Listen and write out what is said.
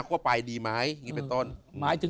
เข้าไปดีไหม